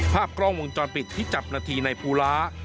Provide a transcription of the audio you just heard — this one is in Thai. ภาพกล้องวงจรปิดที่จับนาทีในภูลา